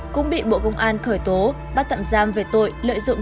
cũng bị bộ công an khởi tố bắt tạm giam về tội lợi dụng